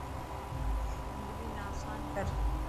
زندگي نا آسان ڪر.